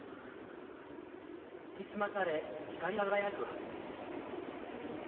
研ぎ澄まされ、光り輝く刃。